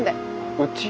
うち？